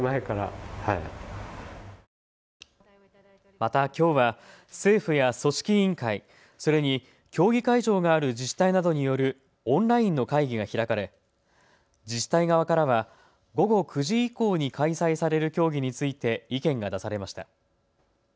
また、きょうは政府や組織委員会、それに競技会場がある自治体などによるオンラインの会議が開かれ自治体側からは午後９時以降に開催される競技について意見が出されました。